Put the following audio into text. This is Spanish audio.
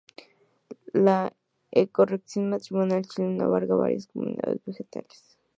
La ecorregión del matorral chileno alberga varias comunidades vegetales.